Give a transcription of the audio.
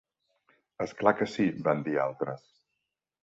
-És clar que sí!- van dir altres.